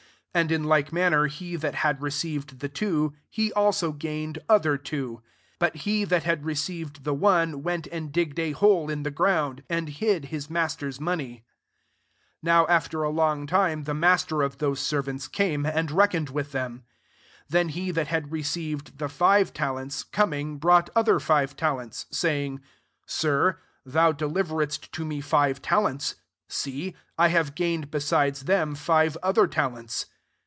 17 And in like manner he that had received the two, [he also] gained other two 18 But he that had received the one, went and digged a hole in the ground, and hid his mas ter's money. 19 "Now after a long time the master of those servants came, and reckoned with them. 20 " Then he that had receiv ed the five talents, coming, brought other five talents, say ing, 'Sir, thou deliveredst to me five talents : see, I have gained [besides them] five other talents.'